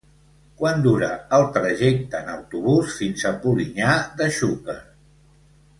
Quant dura el trajecte en autobús fins a Polinyà de Xúquer?